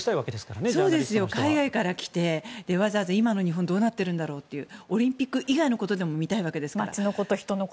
海外から来てわざわざ今の日本はどうなっているんだろうとオリンピック以外のことでも見たいわけですから。